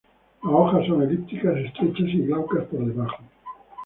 Las hojas son elípticas estrechas y glaucas por debajo.